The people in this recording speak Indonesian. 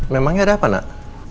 memang gak ada apa nak